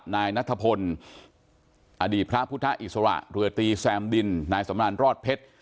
นายนัทพลอดีตพระพุทธอิสระเรือตีแซมดินนายสำรานรอดเพชร